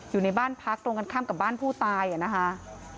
อยู่ในบ้านพักตรงกันข้ามกับบ้านผู้ตายนะคะ